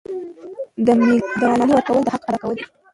د مالیې ورکول د حق ادا کول دي.